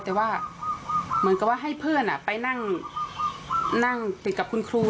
แต่ว่าเหมือนกับว่าให้เพื่อนไปนั่งติดกับคุณครู